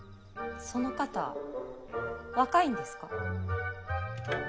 その方若いんですか？